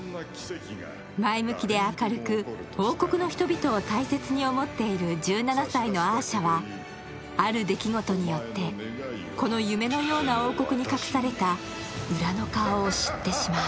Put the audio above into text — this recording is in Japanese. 前向きで明るく、王国の人々を大切に思っている１７歳のアーシャはある出来事によって、この夢のような王国に隠された裏の顔を知ってしまう。